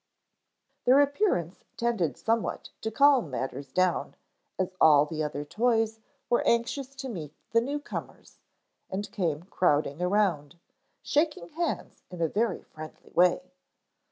Their appearance tended somewhat to calm matters down, as all the other toys were anxious to meet the newcomers, and came crowding around, shaking hands in a very friendly way.